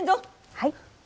はい。